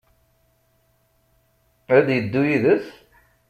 Ad d-yeddu yid-s?